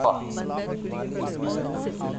ہمیں اجنبیت کا بالکل احساس نہ ہوا